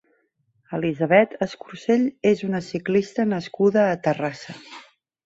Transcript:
Elisabet Escursell és una ciclista nascuda a Terrassa.